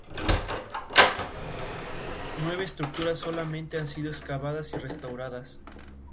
Nueve estructuras solamente han sido excavadas y restauradas.